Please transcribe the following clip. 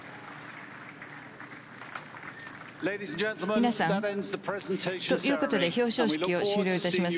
皆さん、ということで表彰式を終了いたします。